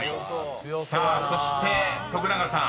［さあそして徳永さん